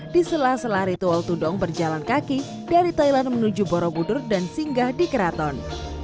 di sela sela ritual tudong berjalan kaki dari thailand menuju borobudur dan singgah di keraton